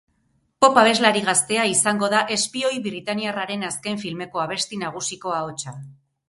Pop abeslari gaztea izango da espioi britainiarraren azken filmeko abesti nagusiko ahotsa.